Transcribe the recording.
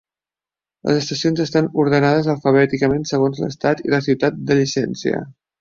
Les estacions estan ordenades alfabèticament segons l'estat i la ciutat de llicència.